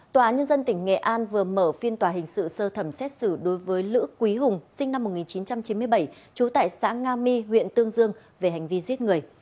tòa án nhân dân tỉnh nghệ an vừa mở phiên tòa hình sự sơ thẩm xét xử đối với lữ quý hùng sinh năm một nghìn chín trăm chín mươi bảy trú tại xã nga my huyện tương dương về hành vi giết người